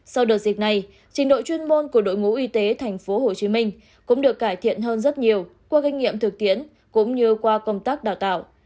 sau đợt dịch này trình độ chuyên môn của đội ngũ y tế tp hcm cũng được cải thiện hơn rất nhiều qua kinh nghiệm thực tiễn cũng như qua công tác đào tạo